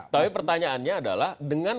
tapi pertanyaannya adalah dengan